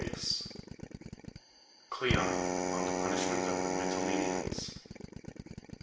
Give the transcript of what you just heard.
33 CLEON ON THE PUNISHMENT OF THE MYTILENEANS (427 B.